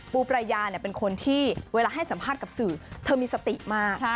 ประยาเป็นคนที่เวลาให้สัมภาษณ์กับสื่อเธอมีสติมาก